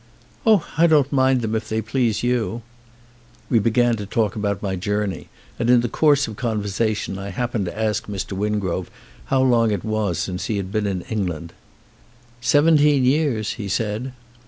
"Oh, I don't mind them if they please you." We began to talk about my journey and in the course of conversation I happened to ask Mr. Wingrove how long it was since he had been in England. "Seventeen years," he said.